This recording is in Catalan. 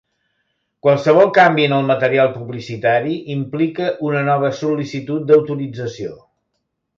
Qualsevol canvi en el material publicitari implica una nova sol·licitud d'autorització.